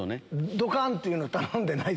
ドカン！っていうの頼んでない。